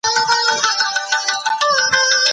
د همدې مینې له امله پوهنتون ته ولاړه.